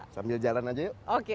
sambil jalan aja yuk